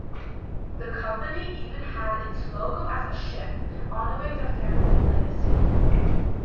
The company even had its logo as a ship, honouring their family legacy.